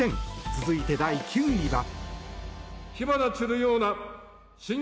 続いて、第９位は。